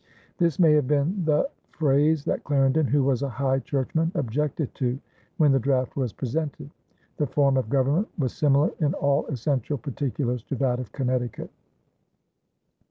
This may have been the phrase that Clarendon, who was a High Churchman, objected to when the draft was presented. The form of government was similar in all essential particulars to that of Connecticut.